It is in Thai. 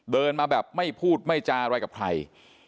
เดินมาแบบไม่พูดไม่จาอะไรกับใคร